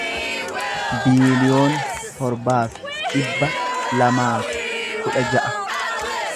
biiliyoona torbaa fi dhibba lamaa fi kudha ja'a